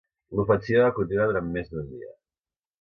L'ofensiva va continuar durant més d'un dia.